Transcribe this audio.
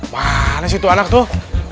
mana situ anak tuh